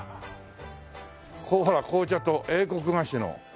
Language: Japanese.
ここほら紅茶と英国菓子の。